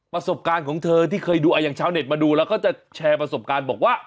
ประสบการณ์ของเธอที่เคยดูอย่างชาวเน็ตมาดูแล้วก็จะแชร์ประสบการณ์บอกว่า